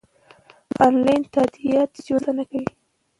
انلاین تادیات ژوند اسانه کوي.